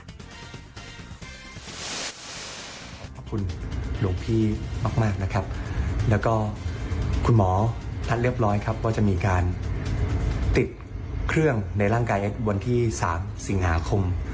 ขอบคุณหลวงพี่มากนะครับแล้วก็คุณหมอนัดเรียบร้อยครับว่าจะมีการติดเครื่องในร่างกายเอ็กซ์วันที่๓สิงหาคม